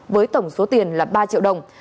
với tổng số tiền là ba triệu đồng